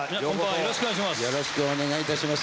よろしくお願いします。